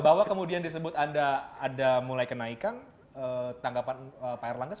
bahwa kemudian disebut anda mulai kenaikan tanggapan pak erlang